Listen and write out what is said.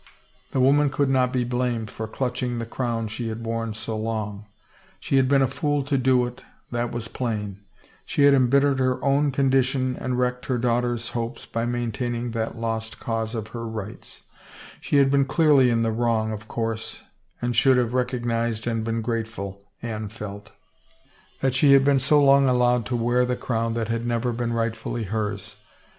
The woman could not be blamed for clutching the crown she had worn so long. She had been a fool to do it, that was plain; she had embittered her own condition and wrecked her daughter's hopes by maintaining that lost cause of her rights; she had been clearly in the wrong, of course, and should have recognized and been grate ful, Anne felt, that she had been so long allowed to wear 297 THE FAVOR OF KINGS the crown that had never been rightfully hers.